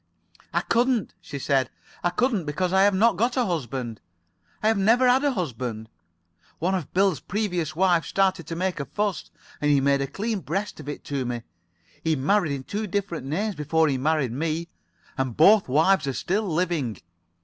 "I couldn't," she said. "I couldn't, because I've not got a husband. And have never had a husband. One of Bill's previous wives started to make a fuss, and he made a clean breast of it to me. He'd married in two different names before he married me, and both wives are still living.